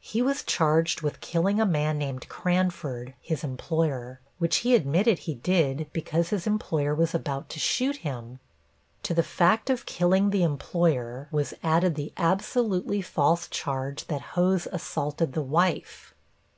He was charged with killing a man named Cranford, his employer, which he admitted he did because his employer was about to shoot him. To the fact of killing the employer was added the absolutely false charge that Hose assaulted the wife.